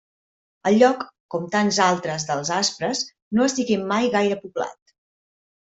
El lloc, com tants altres dels Aspres, no estigué mai gaire poblat.